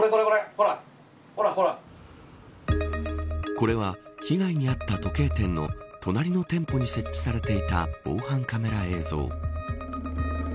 これは被害に遭った時計店の隣の店舗に設置されていた防犯カメラ映像。